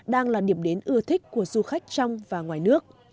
đang là điểm đến ưa thích của du khách trong và ngoài nước